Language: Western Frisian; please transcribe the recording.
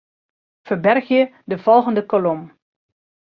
Ferbergje de folgjende kolom.